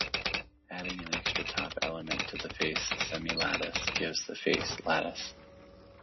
Adding an extra top element to the face semilattice gives the face lattice.